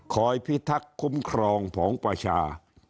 พิทักษ์คุ้มครองผองประชา